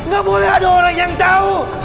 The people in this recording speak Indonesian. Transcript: gak boleh ada orang yang tahu